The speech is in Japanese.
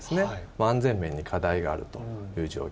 安全面に課題があるという状況。